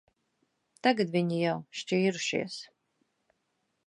Tagad viņi jau šķīrušies.